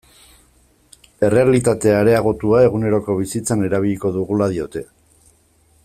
Errealitate areagotua eguneroko bizitzan erabiliko dugula diote.